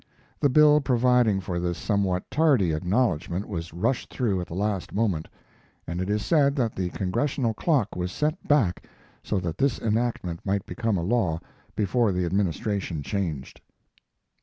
The bill providing for this somewhat tardy acknowledgment was rushed through at the last moment, and it is said that the Congressional clock was set back so that this enactment might become a law before the administration changed.